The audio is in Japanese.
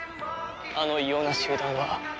あの異様な集団は。